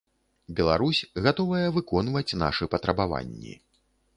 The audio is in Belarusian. Беларусь гатовая выконваць нашы патрабаванні.